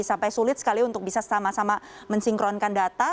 sampai sulit sekali untuk bisa sama sama mensinkronkan data